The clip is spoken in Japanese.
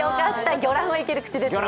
魚卵はイケる口ですね。